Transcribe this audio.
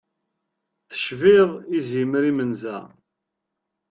Tecbiḍ izimer imenza.